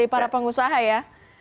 para pengusaha ya